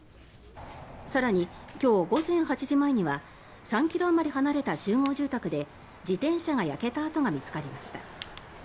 更に、今日午前８時前には３ｋｍあまり離れた集合住宅で自転車が焼けた跡が見つかりました。